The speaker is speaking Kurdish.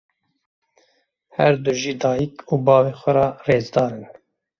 Her du ji dayîk û bavê xwe re rêzdar in.